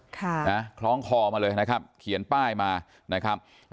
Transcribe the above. ค่ะนะคล้องคอมาเลยนะครับเขียนป้ายมานะครับ